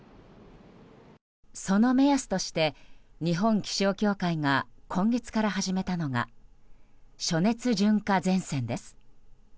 その目安として日本気象協会が今月から始めたのが暑熱順化前線です。